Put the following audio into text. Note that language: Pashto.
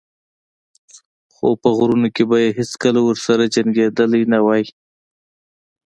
خو په غرونو کې به یې هېڅکله ورسره جنګېدلی نه وای.